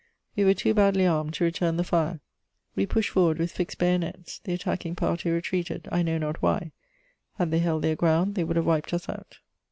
We were too badly armed to return the fire; we pushed forward with fixed bayonets. The attacking party retreated, I know not why; had they held their ground, they would have wiped us out.